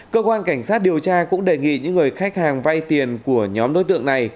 cơ quan cảnh sát điều tra cũng đề nghị những người khách hàng vay tiền của nhóm đối tượng này